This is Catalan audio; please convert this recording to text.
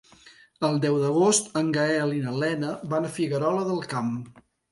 El deu d'agost en Gaël i na Lena van a Figuerola del Camp.